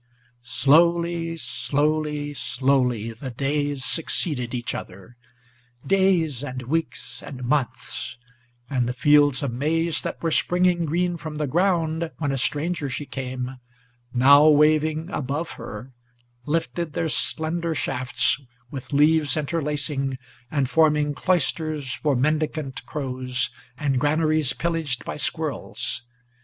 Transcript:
Slowly, slowly, slowly the days succeeded each other, Days and weeks and months; and the fields of maize that were springing Green from the ground when a stranger she came, now waving above her, Lifted their slender shafts, with leaves interlacing, and forming Cloisters for mendicant crows and granaries pillaged by squirrels.